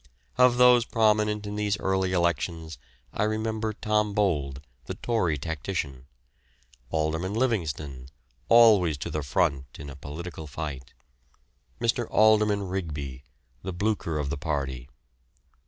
Of those prominent in these early elections I remember Tom Bold, the Tory tactician; Alderman Livingston, always to the front in a political fight; Mr. Alderman Rigby, the Blucher of the party.